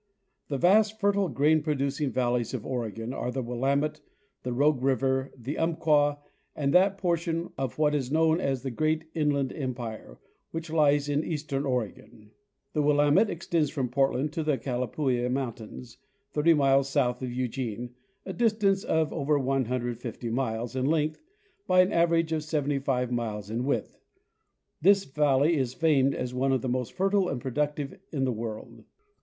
The vast fertile grain producing valleys of Oregon are the Willamette, the Rogue river, the Umpqua, and that portion of what is known as the "great Inland Empire" which lies in eastern Oregon. The Willamette extends from Portland to the Calipooia mountains, 30 miles south of Eugene, a distance of over 150 miles in length by an average of 75 miles in width. This valley is famed as one of the most fertile and productive in the world.